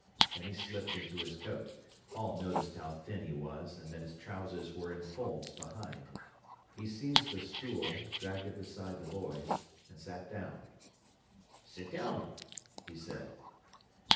Then he slipped into his coat. Paul noticed how thin he was, and that his trousers were in folds behind. He seized a stool, dragged it beside the boy's, and sat down. "Sit down," he said.